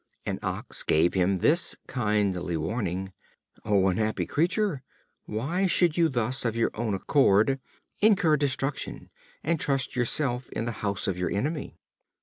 An Ox gave him this kindly warning: "O unhappy creature! why should you thus, of your own accord, incur destruction, and trust yourself in the house of your enemy?"